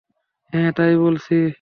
হ্যাঁ, তাই বলছি।